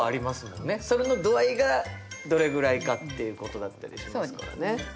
それの度合いがどれぐらいかっていうことだったりしますからね。